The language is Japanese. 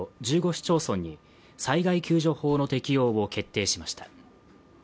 市町村に災害救助法の適用を決定しました。